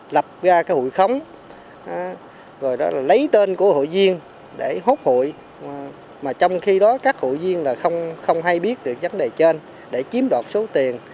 lập ra cái hụi khống rồi đó là lấy tên của hội viên để hốt hụi mà trong khi đó các hội viên là không hay biết được vấn đề trên để chiếm đoạt số tiền